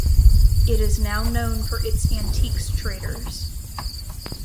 It is now known for its antiques traders.